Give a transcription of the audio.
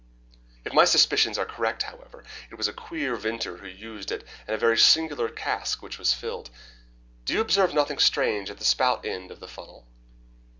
If my suspicions are correct, however, it was a queer vintner who used it, and a very singular cask which was filled. Do you observe nothing strange at the spout end of the funnel."